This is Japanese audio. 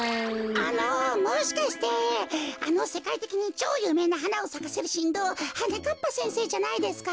あのもしかしてあのせかいてきにちょうゆうめいなはなをさかせるしんどうはなかっぱせんせいじゃないですか？